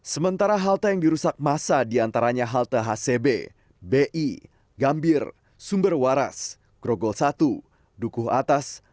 sementara halte yang dirusak masa diantaranya halte hcb bi gambir sumber waras grogol satu dukuh atas